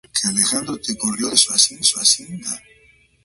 Clutter funciona como un escenario lleno de objetos ocultos e interactivos.